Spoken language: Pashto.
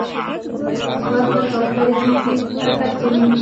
باز له کوترې هم تېز حرکت کوي